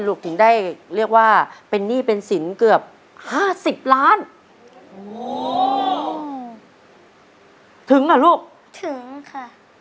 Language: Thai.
ถึงได้เรียกว่าเป็นหนี้เป็นสินเกือบห้าสิบล้านโอ้ถึงอ่ะลูกถึงค่ะ